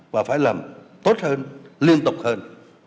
và phải làm tốt hơn liên tục hơn